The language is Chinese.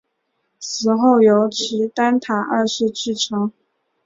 死后由齐丹塔二世继承。